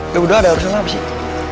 udah udah ada urusan apa sih